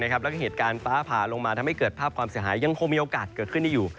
แล้วก็เหตุการณ์ฟ้าผ่าลงมาทำให้เกิดภาพความเสียหายยังคงมีโอกาสเกิดขึ้นได้อยู่